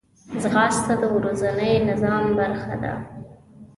ځغاسته د ورځني نظام برخه ده